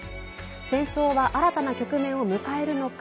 戦争は新たな局面を迎えるのか。